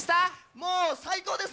もう最高です。